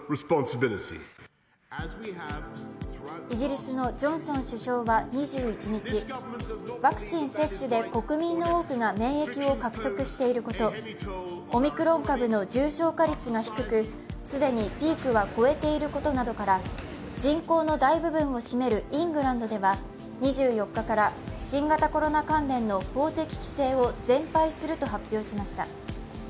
イギリスのジョンソン首相は２１日、ワクチン接種で国民の多くが免疫を獲得していること、オミクロン株の重症化率が低く既にピークは越えていることなどから人口の大部分を占めるイングランドでは２４日から新型コロナ関連の法的規制を全廃すると発表しました。